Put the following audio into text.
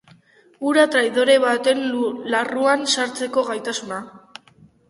Hura traidore baten larruan sartzeko gaitasuna!